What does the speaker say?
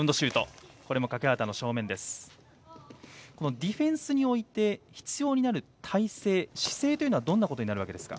ディフェンスにおいて必要になる体勢姿勢はどんなことになりますか。